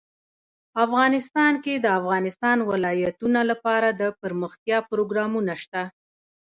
افغانستان کې د د افغانستان ولايتونه لپاره دپرمختیا پروګرامونه شته.